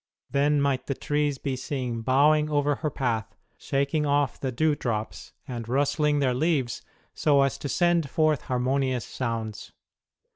Then might the trees be seen bowing over her path, shaking off the dewdrops, and rustling their leaves so as to send forth harmonious sounds.